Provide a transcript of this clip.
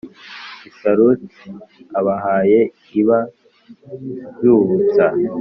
Isaruti abahaye iba iy'ubusa: